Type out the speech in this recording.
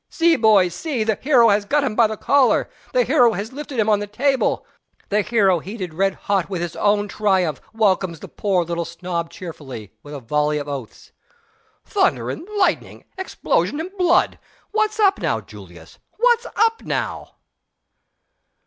See, boys see! the hero has got him by the collar! the hero has lifted him on the table! The hero heated red hot with his own triumph, welcomes the poor little snob cheerfully, with a volley of oaths. "Thunder and lightning! Explosion and blood! What's up now, Julius? What's up now?"